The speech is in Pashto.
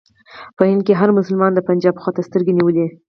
په هند کې هر مسلمان د پنجاب خواته سترګې نیولې.